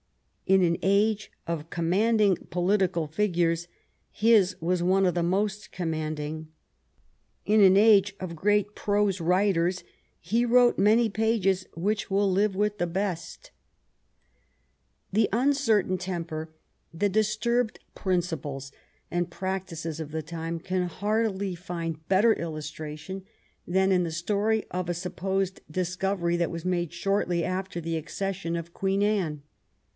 In an age of commanding political figures his was one of the most commanding; in an age of great prose writers he wrote many pages which will live with the best. 68 THOSE AROUND QUEEN ANNE The uncertain temper, the disturbed principles and practices of the time, can hardly find better illustra* tion than in the story of a supposed discovery that was made shortly after the accession of Queen Anne.